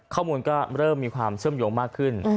ข้อมูลก็เริ่มมีความเชื่อมโยงมากขึ้น